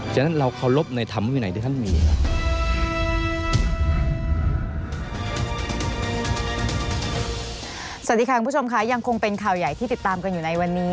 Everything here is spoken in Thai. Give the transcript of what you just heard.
ฉะนั้นเราเคารพในธรรมวินัยที่ท่านมี